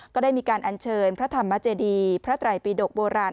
ก็ได้มีการอัญเชิญพระธรรมเจดีพระไตรปีดกโบราณ